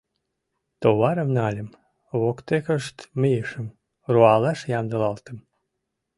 Товарым нальым, воктекышт мийышым, руалаш ямдылалтым.